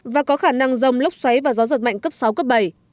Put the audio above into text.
và có khả năng rông lốc xoáy và gió giật mạnh cấp sáu cấp bảy